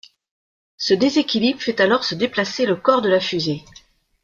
Ce déséquilibre fait alors se déplacer le corps de la fusée.